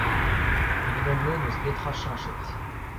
Evidon-me n'eus netra cheñchet.